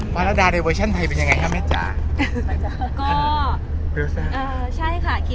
ภาระดาในเวอร์ชั่นไทยของแมทเองผ่านจากละครแล้วจะเป็นกี่ปี